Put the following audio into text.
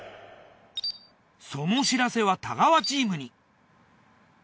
その知らせは太川チームに。